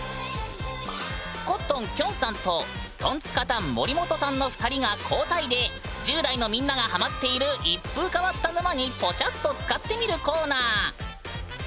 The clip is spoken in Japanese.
コットンきょんさんとトンツカタン森本さんの２人が交代で１０代のみんながハマっている一風変わった沼にポチャッとつかってみるコーナー！